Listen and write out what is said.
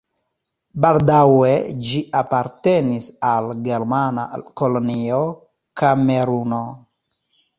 Baldaŭe ĝi apartenis al germana kolonio Kameruno.